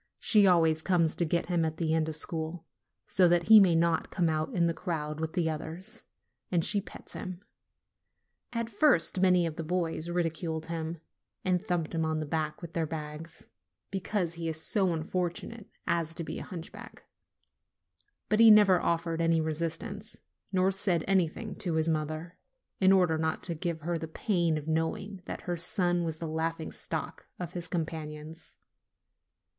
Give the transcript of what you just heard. She always comes to get him at the end of school, so that he may not come out in the crowd with the others, and she pets him. At first many of the boys ridiculed him, and thumped him on the back with their bags, because he is so unfortunate as to be a hunchback ; but he never offered any resistance, nor said anything to his mother, in order not to give her the pain of knowing that her son was the laughing stock of his companions.